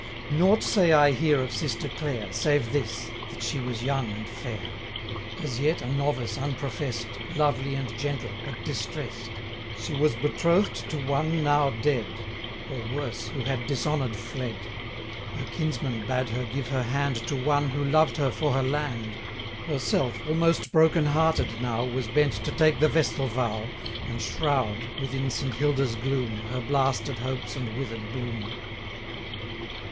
Nought say I here of Sister Clare, Save this, that she was young and fair; As yet a novice unprofess'd, Lovely and gentle, but distress'd. 90 She was betroth'd to one now dead, Or worse, who had dishonour'd fled. Her kinsmen bade her give her hand To one, who loved her for her land: Herself, almost broken hearted now, 95 Was bent to take the vestal vow, And shroud, within Saint Hilda's gloom, Her blasted hopes and wither'd bloom.